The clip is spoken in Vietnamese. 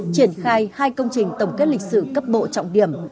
triển khai hai công trình tổng kết lịch sử cấp bộ trọng điểm